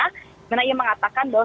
karena ia mengatakan bahwa